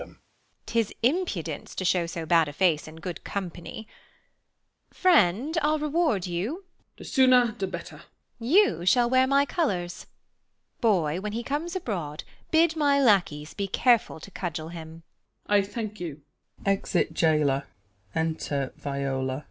'Tis impudence to shew so bad a face In good company Friend, I'll reward you. Jail. The sooner the better. Beat. You shall wear my colours ; Boy, when he comes abroad Bid my lacquies be careful to cudgel him.